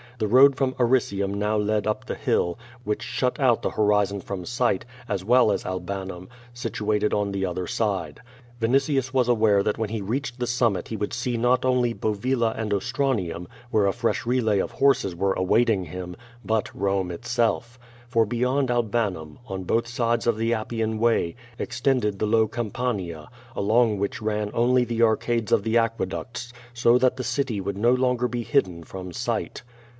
The road from Aricium now led up the hill, which shut out the horizon from sight, as well as Albanum, situated on the other side. Vinitius was aware that when he reached the summit he would see not only Bovila and Ostranium, where a fresh relay of horses were awaiting him, but Eome itself. For be yond Albanum, on both sides of the Appian way, extended the low Campania, along which ran only the arcades of the aque ducts, so that the city would no longer be hidden from sight.